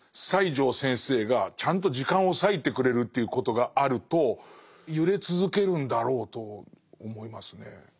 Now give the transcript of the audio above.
西條先生がちゃんと時間を割いてくれるということがあると揺れ続けるんだろうと思いますね。